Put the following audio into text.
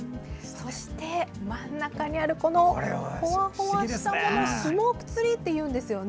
そして、真ん中にあるほわほわしたものがスモークツリーというんですよね。